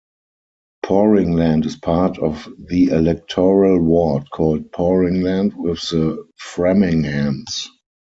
Poringland is part of the electoral ward called Poringland with the Framinghams.